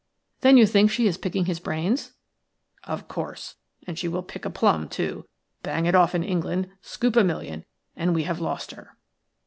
"Then you think she is picking his brains?" "Of course, and she will pick a plum, too, bang it off in England, scoop a million, and we have lost her."